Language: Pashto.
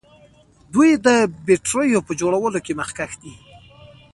دوی د بیټریو په جوړولو کې مخکښ دي.